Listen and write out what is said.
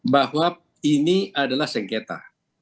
bahwa ini adalah sengketa